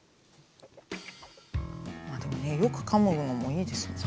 まあでもねよくかむのもいいですよね。